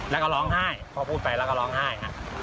แล้วก็ร้องไห้พอพูดไปแล้วก็ร้องไห้